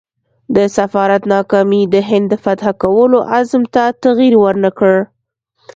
د سفارت ناکامي د هند د فتح کولو عزم ته تغییر ورنه کړ.